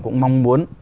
cũng mong muốn